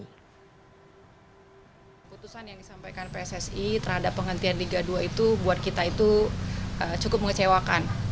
keputusan yang disampaikan pssi terhadap penghentian liga dua itu buat kita itu cukup mengecewakan